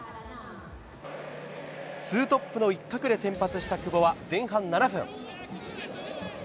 ツートップの一角で先発した久保は、前半７分。